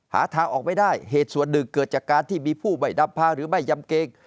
หาทางออกไม่ได้เหตุส่วนหนึ่งเกิดจากการที่มีผู้ไม่ดับพาหรือไม่ยำเกง